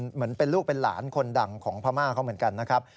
เหมือนเป็นลูกเป็นหลานคนดังของพม่าเขาเหมือนกันนะครับ